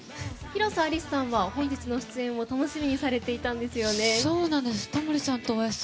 広瀬アリスさんは本日の出演を楽しみにされていたんですよね。